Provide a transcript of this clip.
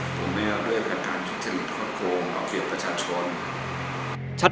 ผมไม่เอาด้วยการทานชุดเจริญข้อโครงเอาเกี่ยวกับประชาชน